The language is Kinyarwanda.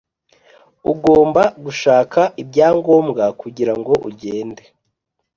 ugomba gushaka ibyangombwa kugira ngo ugende.